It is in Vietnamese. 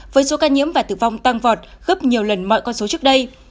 với số ca nhiễm và tử vong tăng vọt gấp nhiều lần mọi con số trước đây